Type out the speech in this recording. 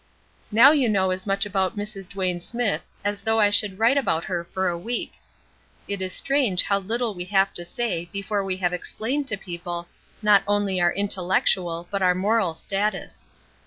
Now you know as much about Mrs. Duane Smithe as though I should write about her for a week. It is strange how little we have to say before we have explained to people not only our intellectual but our moral status.